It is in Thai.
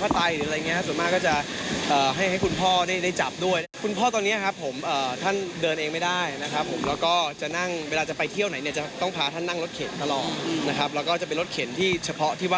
ไปฟังณเดชน์ไหมคะไป